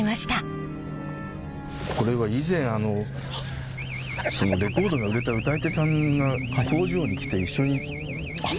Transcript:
これは以前レコードが売れた歌い手さんが工場に来て一緒に撮ったものですね。